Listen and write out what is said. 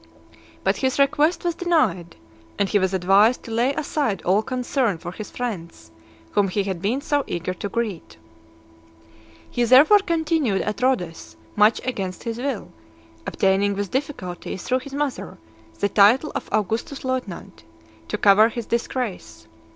But his request was denied; and he was advised to lay aside all concern for his friends, whom he had been so eager to greet. XII. He therefore continued at Rhodes much against his will, obtaining, with difficulty, through his mother, the title of Augustus's lieutenant, to cover his disgrace.